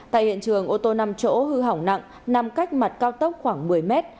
tại hiện trường ô tô năm chỗ hư hỏng nặng nằm cách mặt cao tốc khoảng một mươi mét